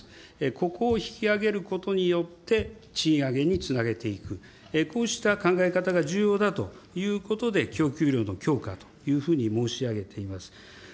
ここを引き上げることによって、賃上げにつなげていく、こうした考え方が重要だということで、供給量の強化というふうに申し上げています。